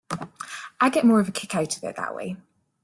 I get more of a kick out of it that way.